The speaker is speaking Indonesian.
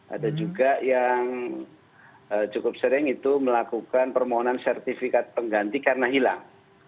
ada juga yang cukup sering itu melakukan permohonan sertifikat pengganti karena hilang